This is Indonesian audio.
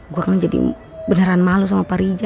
gue kan jadi beneran malu sama pak rija